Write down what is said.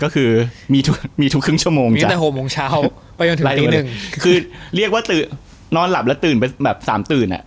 คือเรียกว่างงั้นโทลียงไป๓โตื่อน